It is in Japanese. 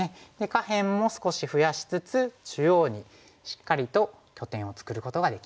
下辺も少し増やしつつ中央にしっかりと拠点を作ることができましたね。